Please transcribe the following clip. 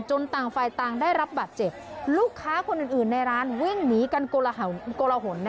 ต่างฝ่ายต่างได้รับบาดเจ็บลูกค้าคนอื่นอื่นในร้านวิ่งหนีกันโกลหน